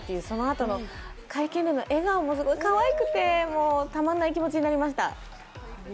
そのあとの会見での笑顔もすごいかわいくて、たまんない気持ちになりました。